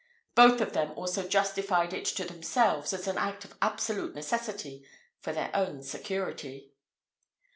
Both of them also justified it to themselves as an act of absolute necessity for their own security.